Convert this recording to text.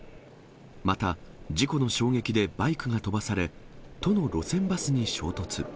また、事故の衝撃でバイクが飛ばされ、都の路線バスに衝突。